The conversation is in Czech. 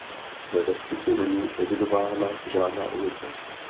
Ve vesnici není evidována žádná ulice.